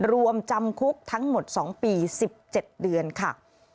รวมจำคุกทั้งหมด๒ปี๑๗เดือนค่ะ